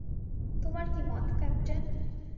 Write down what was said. তোমার কী মত, ক্যাপ্টেন?